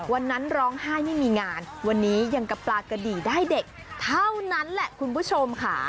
วันนั้นร้องไห้ไม่มีงานวันนี้ยังกับปลากระดีได้เด็กเท่านั้นแหละคุณผู้ชมค่ะ